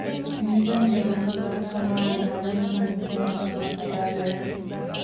މީސަމް ގެ އަނގަ ގަދަކަމާއި ހަލަނިކަން ނުފެންނަ ކަމަކަށް ހަދާލައިގެން